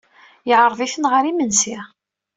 Yeɛreḍ-iten ɣer yimensi.